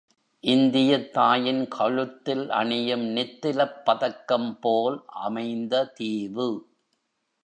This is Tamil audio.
இந்தியத் தாயின் கழுத்தில் அணியும் நித்திலப் பதக்கம்போல் அமைந்த தீவு.